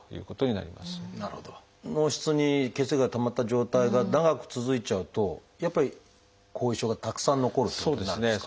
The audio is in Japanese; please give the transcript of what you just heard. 脳室に血液がたまった状態が長く続いちゃうとやっぱり後遺症がたくさん残るということになるんですか？